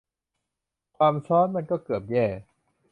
ความซัอนมันเกือบแย่